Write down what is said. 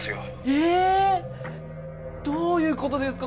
ええ！？どういう事ですか？